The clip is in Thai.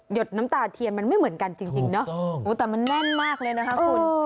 ดน้ำตาเทียนมันไม่เหมือนกันจริงเนาะแต่มันแน่นมากเลยนะคะคุณ